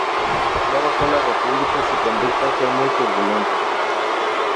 Ya bajo la República su conducta fue muy turbulenta.